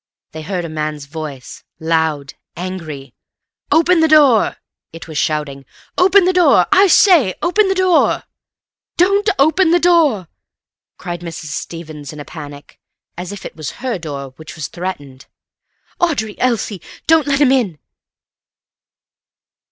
They heard a man's voice, loud, angry. "Open the door!" it was shouting. "Open the door! I say, open the door!" "Don't open the door!" cried Mrs. Stevens in a panic, as if it was her door which was threatened. "Audrey! Elsie! Don't let him in!"